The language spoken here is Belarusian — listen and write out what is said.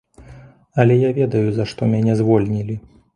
Але я ведаю, за што мяне звольнілі.